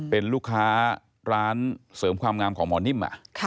เป็นลูกค้าร้านเสริมความงามของหมอนิ่ม